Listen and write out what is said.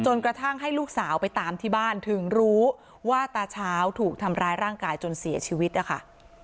กระทั่งให้ลูกสาวไปตามที่บ้านถึงรู้ว่าตาเช้าถูกทำร้ายร่างกายจนเสียชีวิตนะคะ